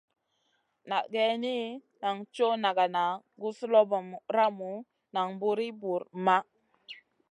Na geyni, nan coʼ nagana, guzlobomu, ramu nam buw ir buwr maʼh.